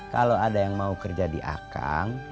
kalau ada yang mau kerja di akang